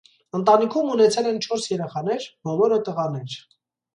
Ընտանիքում ունեցել են չորս երեխաներ՝ բոլորը տղաներ։